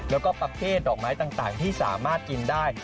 แล้วก็ประเภทดอกไม้ต่างที่สามารถกินได้